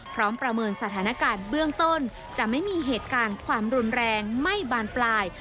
ประเมินสถานการณ์เบื้องต้นจะไม่มีเหตุการณ์ความรุนแรงไม่บานปลาย